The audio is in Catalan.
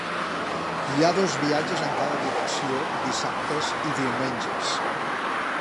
Hi ha dos viatges en cada direcció dissabtes i diumenges.